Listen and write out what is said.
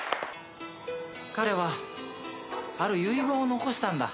彼はある遺言を残したんだ。